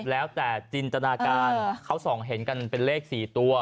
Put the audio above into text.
แล้วแต่จินตนาการเขาส่องเห็นกันเป็นเลข๔ตัว